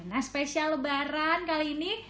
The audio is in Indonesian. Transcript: nah spesial lebaran kali ini